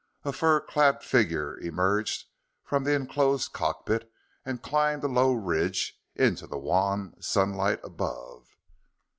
A fur clad figure emerged from the enclosed cockpit and climbed a low ridge into the wan sunlight above.